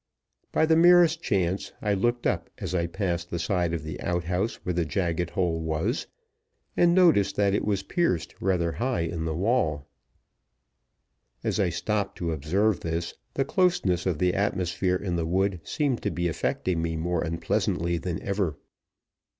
By the merest chance I looked up as I passed the side of the outhouse where the jagged hole was, and noticed that it was pierced rather high in the wall. As I stopped to observe this, the closeness of the atmosphere in the wood seemed to be affecting me more unpleasantly than ever.